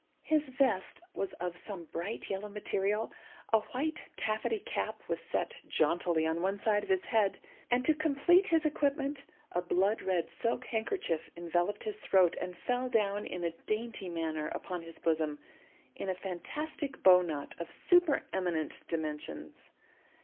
His vest was of some bright yellow material; a white taffety cap was set jauntily on one side of his head; and, to complete his equipment, a blood red silk handkerchief enveloped his throat, and fell down, in a dainty manner, upon his bosom, in a fantastic bow knot of super eminent dimensions.